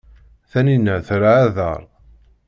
Taninna terra aḍar.